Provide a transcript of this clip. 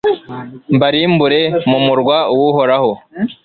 mbarimbure mu murwa w’Uhoraho